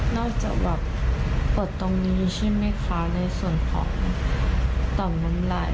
จากแบบปลดตรงนี้ใช่ไหมคะในส่วนของต่อมน้ำลาย